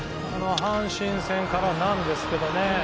阪神戦からなんですけどね。